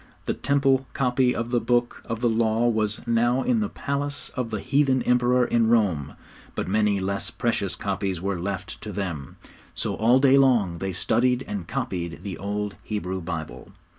The Temple copy of the Book of the Law was now in the palace of the heathen Emperor in Rome, but many less precious copies were left to them. So all day long they studied and copied the old Hebrew Bible.